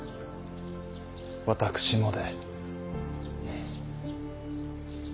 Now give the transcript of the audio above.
私もで。